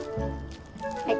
はい。